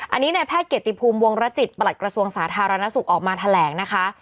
อันนี้ในแพทย์เกียรติภูมิวงรจิตประหลัดกระทรวงสาธารณสุขออกมาแถลงนะคะ